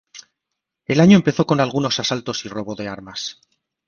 El año empezó con algunos asaltos y robo de armas.